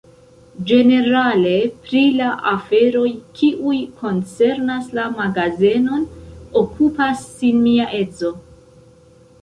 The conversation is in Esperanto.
Ĝenerale pri la aferoj, kiuj koncernas la magazenon, okupas sin mia edzo.